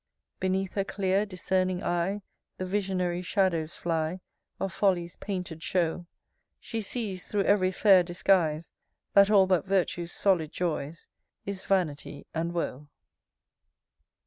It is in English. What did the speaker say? XVI. Beneath her clear discerning eye The visionary shadows fly Of Folly's painted show. She sees thro' ev'ry fair disguise, That all but Virtue's solid joys, Is vanity and woe.